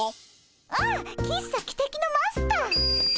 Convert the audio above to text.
あっ喫茶汽笛のマスター。